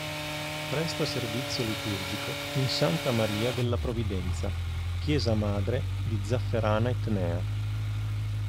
Presta servizio liturgico in S. Maria della Provvidenza, Chiesa Madre di Zafferana Etnea.